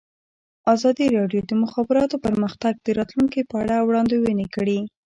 ازادي راډیو د د مخابراتو پرمختګ د راتلونکې په اړه وړاندوینې کړې.